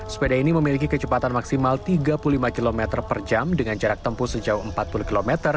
sepeda ini memiliki kecepatan maksimal tiga puluh lima km per jam dengan jarak tempuh sejauh empat puluh km